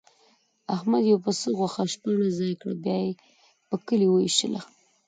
احمد د یوه پسه غوښه شپاړس ځایه کړه، بیا یې په کلي ووېشله.